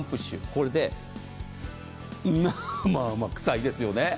これでまあまあ、臭いですよね。